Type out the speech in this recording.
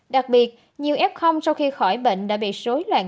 đặc biệt nhiều f sau khi khỏi bệnh đã bị rối loạn